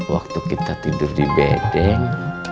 waktu kita tidur di bedeng